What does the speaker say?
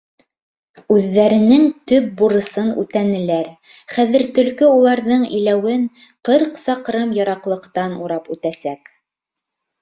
Үҙҙәренең төп бурысын үтәнеләр, хәҙер Төлкө уларҙың иләүен ҡырҡ саҡрым йыраҡлыҡтан урап үтәсәк.